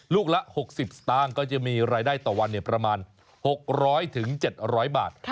ลูกละ๖๐สตางค์ก็จะมีรายได้ต่อวันประมาณ๖๐๐๗๐๐บาท